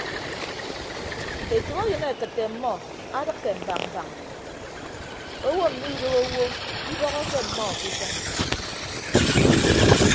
Etәkeyịn akịtte ọmmọ adịkke mbañ mbañ owo mmidooho owo ibọhọke ọmmọ ke usʌñ.